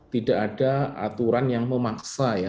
tidak ada aturan yang memaksa ya